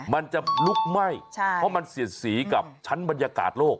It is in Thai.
มันจะลุกไหม้เพราะมันเสียดสีกับชั้นบรรยากาศโลก